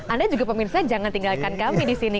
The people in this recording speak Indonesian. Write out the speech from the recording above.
anda juga pemirsa jangan tinggalkan kami di sini